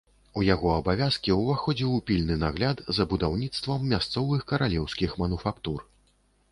У яго абавязкі ўваходзіў пільны нагляд за будаўніцтвам мясцовых каралеўскіх мануфактур.